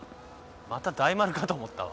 また大丸かと思ったわ。